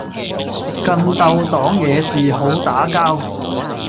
更鬥黨惹事好打交